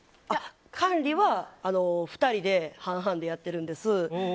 管理は２人で半々でやってるんです。